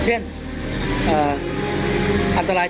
อันดับสุดท้าย